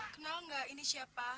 kenal nggak ini siapa